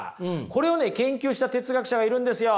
これをね研究した哲学者がいるんですよ！